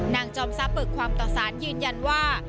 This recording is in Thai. จอมทรัพย์เบิกความต่อสารยืนยันว่า